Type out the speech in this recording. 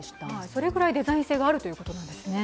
それぐらいデザイン性があるということですね。